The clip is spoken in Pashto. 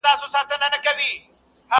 اسره مي خدای ته وه بیا تاته؛